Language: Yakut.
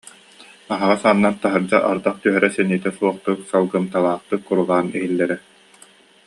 Аһаҕас аанынан таһырдьа ардах түһэрэ сэниэтэ суохтук, салгымтыалаахтык курулаан иһиллэрэ